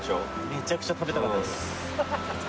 めちゃくちゃ食べたかったです。